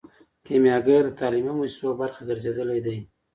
کیمیاګر د تعلیمي موسسو برخه ګرځیدلی دی.